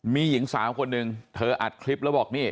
มีหญิงสาวคนหนึ่งเธออัดคลิปแล้วบอกนี่